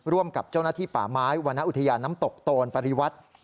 ร่วมกับเจ้าหน้าที่ป่าไม้วรรณอุทยานน้ำตกโตนปริวัติ